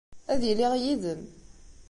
Ad iliɣ yid-m.